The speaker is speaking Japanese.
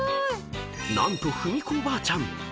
［何とふみこおばあちゃん